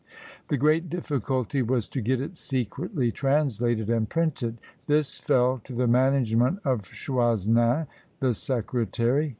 The great difficulty was to get it secretly translated and printed. This fell to the management of Choisnin, the secretary.